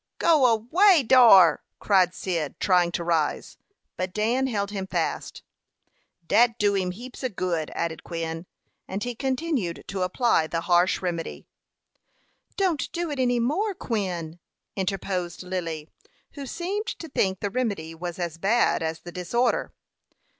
"Go away dar!" cried Cyd, trying to rise; but Dan held him fast. "Dat do him heaps ob good," added Quin; and he continued to apply the harsh remedy. "Don't do it any more, Quin," interposed Lily, who seemed to think the remedy was as bad as the disorder.